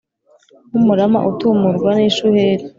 nk’umurama utumurwa n’ishuheri’